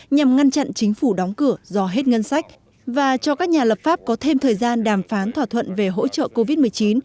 nhằm ngăn chặn chính phủ đóng cửa do hết ngân sách và cho các nhà lập pháp có thêm thời gian đàm phán thỏa thuận về hỗ trợ covid một mươi chín